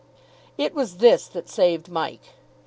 It was this that saved Mike.